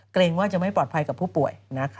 เกรงว่าจะไม่ปลอดภัยกับผู้ป่วย